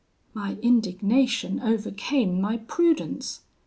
"My indignation overcame my prudence.